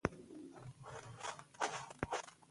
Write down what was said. د خلکو په خدمت کې خوند دی.